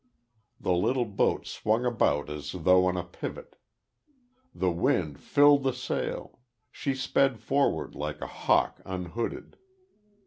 The little boat swung about as though on a pivot. The wind filled the sail; she sped forward like a hawk unhooded.